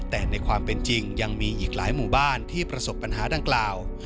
แต่ในความเป็นจริงยังมีอีกหลายหมู่บ้านที่ประสบปัญหาดังกล่าว